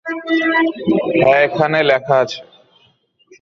হ্যাঁ, এখানে লেখা আছে।